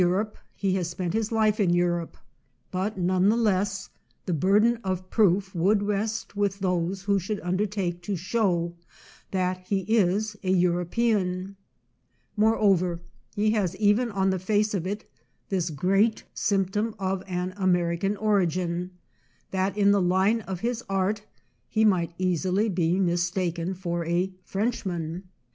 449. 47 rope, he has spent his life in Europe, but none the less the burden of proof would rest with those who should undertake to show that he is a European. Moreover, he has even on the face of it this great symptom of an American origin, that in the line of his art he might easily be mis taken for a Frenchman.